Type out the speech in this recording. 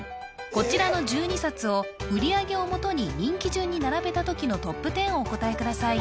こちらの１２冊を売り上げをもとに人気順に並べた時のトップ１０をお答えください